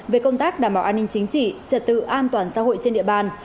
về công tác đảm bảo an ninh chính trị trật tự an toàn xã hội trên địa bàn